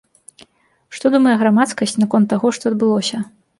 Што думае грамадскасць наконт таго, што адбылося?